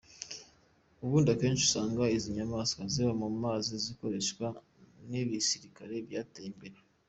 Ubundi akenshi usanga izi nyamaswa ziba mu mazi zikoreshwa n’ibisirikare byateye imbere.